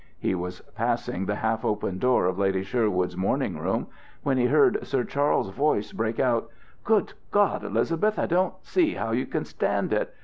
He was passing the half open door of Lady Sherwood's morning room, when he heard Sir Charles's voice break out, "Good God, Elizabeth, I don't see how you stand it!